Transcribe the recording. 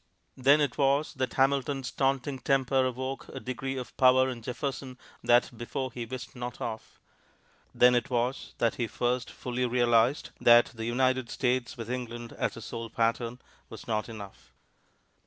Then it was that Hamilton's taunting temper awoke a degree of power in Jefferson that before he wist not of; then it was that he first fully realized that the "United States" with England as a sole pattern was not enough.